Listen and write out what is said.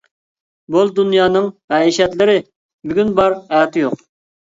بول دۇنيانىڭ مەئىشەتلىرى بۈگۈن بار، ئەتە يوق.